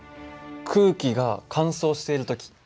空気が乾燥している時。